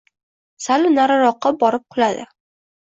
Sal nariroqqa borib quladi.